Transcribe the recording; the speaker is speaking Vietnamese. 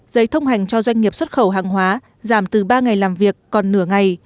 giấy thông hành cho doanh nghiệp xuất khẩu hàng hóa giảm từ ba ngày làm việc còn nửa ngày